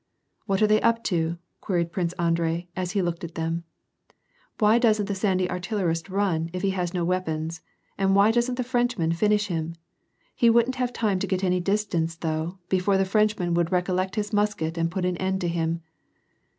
" What are they up to ?" queried Prince Andrei, as he looked at them. " Why doesn't the sandy artillerist run, if he has no weapons, and why doesn't the Frenchman finish him? He wouldn't have time to get any distance though, before the Frenchman would recollect his musket and put an end to him."